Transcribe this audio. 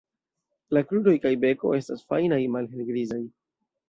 La kruroj kaj beko estas fajnaj, malhelgrizaj.